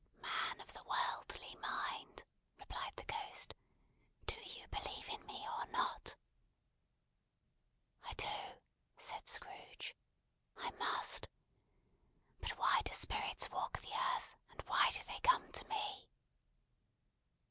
"Man of the worldly mind!" replied the Ghost, "do you believe in me or not?" "I do," said Scrooge. "I must. But why do spirits walk the earth, and why do they come to me?"